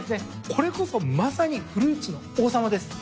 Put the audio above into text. これこそまさにフルーツの王様です。